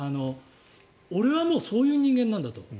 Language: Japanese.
俺はもうそういう人間なんだと。